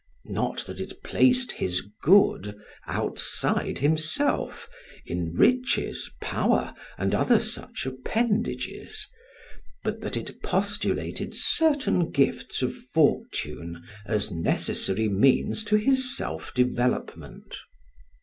Not that it placed his Good outside himself, in riches, power, and other such appendages; but that it postulated certain gifts of fortune as necessary means to his self development.